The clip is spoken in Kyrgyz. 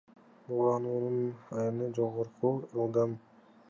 Булгануунун айынан жогорку ылдамдыктагы камералар орнотулду.